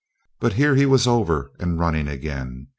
But here he was over and running again.